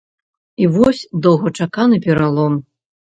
І вось доўгачаканы пералом.